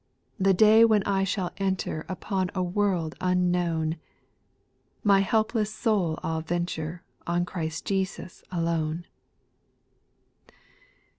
The day when I shall enter Upon a world unknown ;— My helpless soul I '11 vienture On Jesus Christ alone.